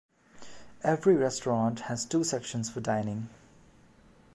Every restaurant has two sections for dining.